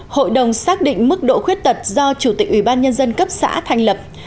hội đồng xác định mức độ khuyết tật do chủ tịch ủy ban nhân dân cấp xã thành lập